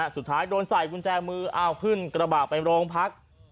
สุดท้ายโดนใส่กุญแจมือเอาขึ้นกระบะไปโรงพัก